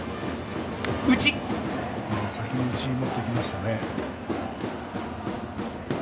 先に内に持っていきましたね。